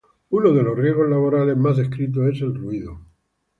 Uno de los riesgos laborales más descrito es el ruido.